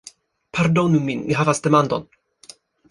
Pardonu min, mi havas demandon